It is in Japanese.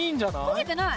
焦げてない。